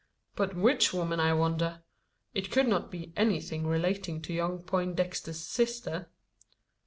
"But which woman, I wonder? It could not be anything relating to young Poindexter's sister?"